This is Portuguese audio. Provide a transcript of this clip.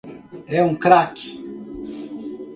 É um crack.